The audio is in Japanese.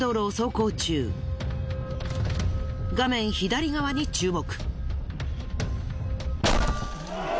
画面左側に注目。